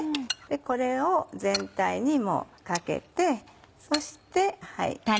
これを全体にもかけてそしてはい。